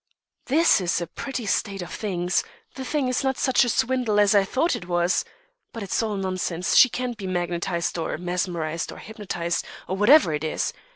"This is a pretty state of things! The thing is not such a swindle as I thought it was. But it's all nonsense. She can't be magnetised, or mesmerised, or hypnotised, or whatever it is.